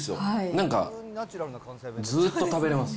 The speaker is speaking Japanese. なんかずっと食べれます。